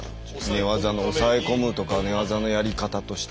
寝技の抑え込むとか寝技のやり方として。